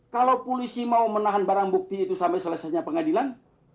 kalau polisi mau menahan barang bukti itu sampai selesainya pengadilan